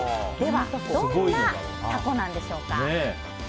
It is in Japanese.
では、どんなたこなんでしょうか。